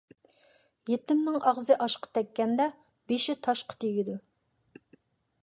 يېتىمنىڭ ئاغزى ئاشقا تەگكەندە، بېشى تاشقا تېگىدۇ.